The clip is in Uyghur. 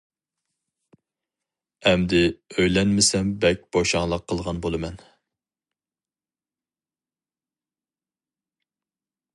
ئەمدى ئۆيلەنمىسەم بەك بوشاڭلىق قىلغان بولىمەن.